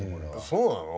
そうなの？